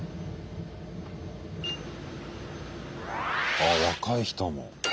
あ若い人も。